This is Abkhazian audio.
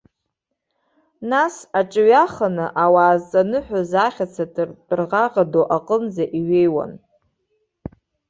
Нас аҿыҩаханы, ауаа зҵаныҳәоз ахьаца тәырӷаӷа ду аҟынӡа иҩеиуан.